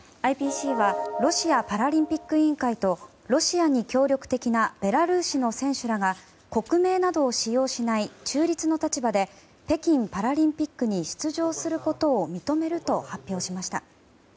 ＩＰＣはロシアパラリンピック委員会とロシアに協力的なベラルーシの選手らが国名などを使用しない中立な立場で北京パラリンピックに出場することを認めると発表しました。